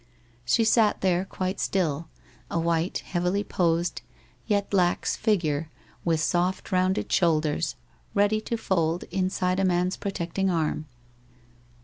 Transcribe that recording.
She sat there, quite still, a white, heavily posed, yet lax figure, with soft rounded shoulders ready to fold inside a man's protecting arm.